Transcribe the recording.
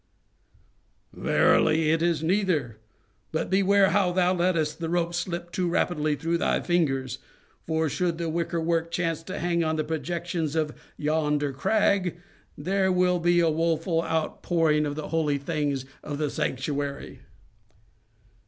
"Verily it is neither—but beware how thou lettest the rope slip too rapidly through thy fingers; for should the wicker work chance to hang on the projection of yonder crag, there will be a woful outpouring of the holy things of the sanctuary."